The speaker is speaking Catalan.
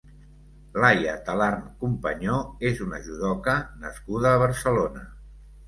Laia Talarn Compañó és una judoka nascuda a Barcelona.